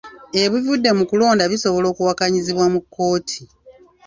Ebivudde mu kulonda bisobola okuwakanyizibwa mu kkooti.